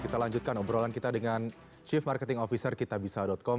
kita lanjutkan obrolan kita dengan chief marketing officer kitabisa com